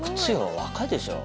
若いでしょ。